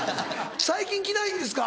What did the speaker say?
最近着ないんですか？